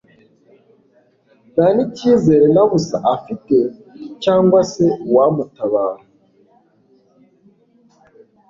nta n'icyizere na busa afite cyangwa se uwamutabara